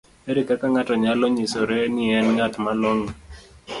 Ere kaka ng'ato nyalo nyisore ni en ng'at malong'o?